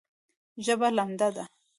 ژبه لمده ده